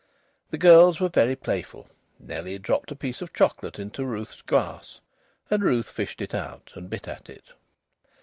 The girls were very playful. Nellie dropped a piece of chocolate into Ruth's glass, and Ruth fished it out, and bit at it.